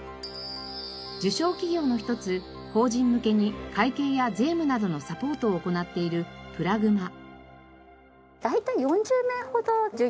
受賞企業の一つ法人向けに会計や税務などのサポートを行っているプラグマ。